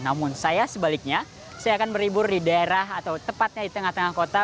namun saya sebaliknya saya akan berlibur di daerah atau tepatnya di tengah tengah kota